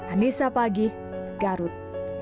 anissa pagih garut